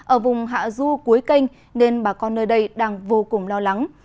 ở vùng hạ du cuối canh nên bà con nơi đây đang vô cùng lo lắng